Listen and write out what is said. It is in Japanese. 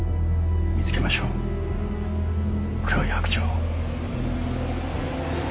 見つけましょう黒い白鳥を。